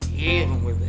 iya dong bebe